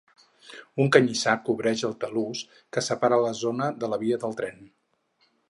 Un canyissar cobreix el talús que separa la zona de la via del tren.